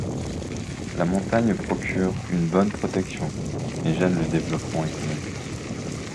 La montagne procure une bonne protection, mais gêne le développement économique.